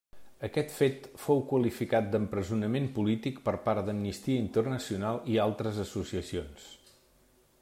Aquest fet fou qualificat d'empresonament polític per part d'Amnistia Internacional i altres associacions.